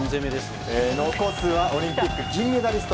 残すはオリンピック銀メダリスト